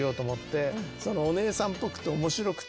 お姉さんっぽくて面白くて。